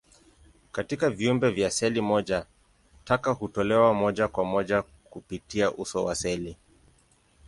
Katika viumbe vya seli moja, taka hutolewa moja kwa moja kupitia uso wa seli.